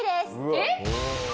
えっ？